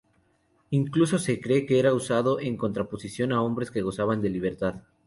Incluso se cree que era usado en contraposición a hombres que gozaban de libertad.